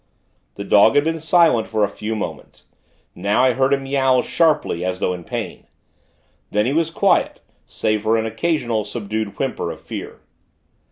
The dog had been silent for a few moments. Now, I heard him yowl, sharply, as though in pain. Then, he was quiet, save for an occasional, subdued whimper of fear.